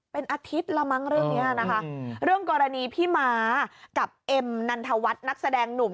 เป็นอาทิตย์ละมั้งเรื่องนี้นะคะเรื่องกรณีพี่ม้ากับเอ็มนันทวัฒน์นักแสดงหนุ่ม